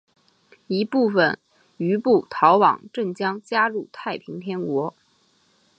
一部分余部逃往镇江加入太平天国。